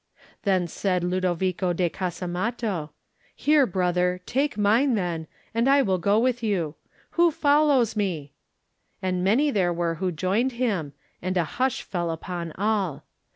Then said Ludovico de Casamatto: ••Here, brother, take mine, then, and I will go with you. Who follows me?*' And many there were who joined him, and a hush fell upon all.